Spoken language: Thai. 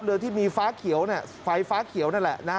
เรือที่มีฟ้าเขียวไฟฟ้าเขียวนั่นแหละ